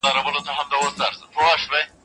فشار لاندي، مولانا جلالالدین محمد بلخي له بلخ